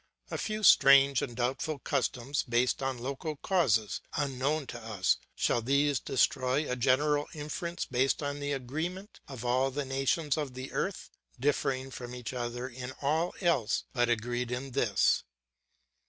A few strange and doubtful customs, based on local causes, unknown to us; shall these destroy a general inference based on the agreement of all the nations of the earth, differing from each other in all else, but agreed in this?